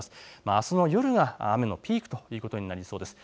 あすの夜が雨のピークということになりそうです。